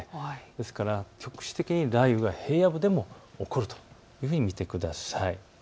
ですから局地的に雷雨が平野部でも起こると見てください。